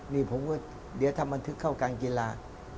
นี่ผมก็มาทำบังทึกเข้าการเกรอา